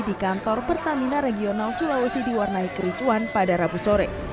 di kantor pertamina regional sulawesi diwarnai kericuan pada rabu sore